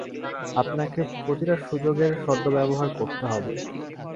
আপনাকে প্রতিটা সুযোগের সদ্ব্যবহার করতে হবে।